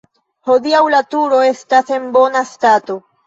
Hodiaŭ la turo estas en bona stato.